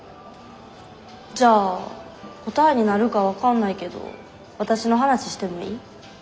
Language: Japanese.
じゃあ答えになるか分かんないけどわたしの話してもいい？